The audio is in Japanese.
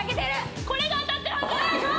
これが当たってるはず！